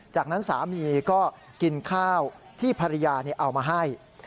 จากนั้นสามีก็กินข้าวที่ภรรยาเอามาให้